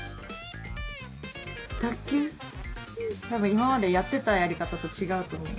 今までやってたやり方と違うと思う。